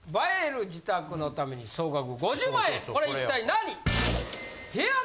これ一体何？